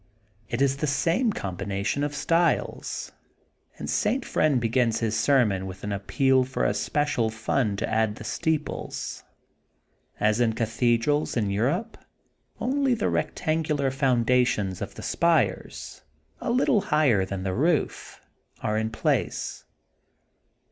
It is the same combination of styles, and St. Friend be gins his sermon with an appeal for a special fund to add the steeples. As in cathedrals of Europe, only the rectangular foundations of the spires, a little higher than the roof, are in place.